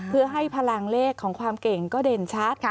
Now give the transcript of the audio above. เพื่อให้พลังเลขของความเก่งก็เด่นชัด